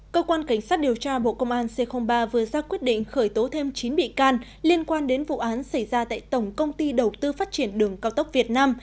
cơ quan cảnh sát điều tra bộ công an c ba vừa ra quyết định khởi tố thêm chín bị can liên quan đến vụ án xảy ra tại tổng công ty đầu tư phát triển đường cao tốc việt nam